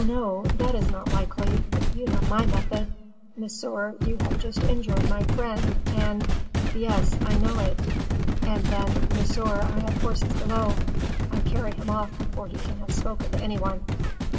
no; that is not likely. You know my method: 'Monsieur, you have just injured my friend, and '" "Yes, I know it." "And then: 'Monsieur, I have horses below.' I carry him off before he can have spoken to any one."